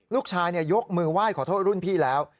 ยกมือไหว้ขอโทษรุ่นพี่แล้ว